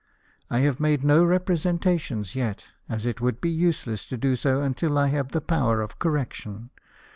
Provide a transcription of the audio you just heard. I have made no representations yet, as it would be useless to do so until I have the power of correction.